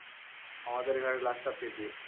আমাদের ঘাড়ে লাশ চাপিয়ে দিয়ে।